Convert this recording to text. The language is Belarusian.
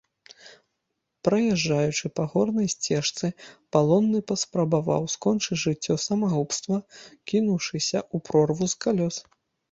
Праязджаючы па горнай сцежцы, палонны паспрабаваў скончыць жыццё самагубства, кінуўшыся ў прорву з калёс.